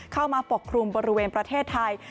เข้ามาปกครูมบริเวณประเทศไทย